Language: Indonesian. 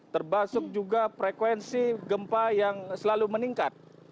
terbasuk juga frekuensi gempa yang selalu meningkat